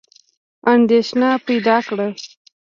اندېښنه پیدا کړه.